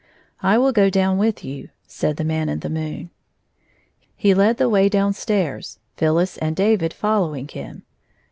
"" I will go down with you," said the Man in the moon. He led the way down stairs, Phyllis and David following him.